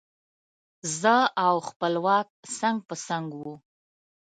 زه او خپلواک څنګ په څنګ وو.